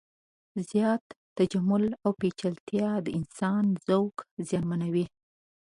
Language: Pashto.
زیات تجمل او پیچلتیا د انسان ذوق زیانمنوي.